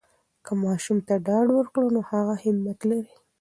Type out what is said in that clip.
که ماشوم ته ډاډ ورکړو، نو هغه همت لری.